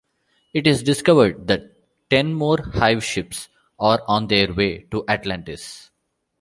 It is discovered that ten more hive ships are on their way to Atlantis.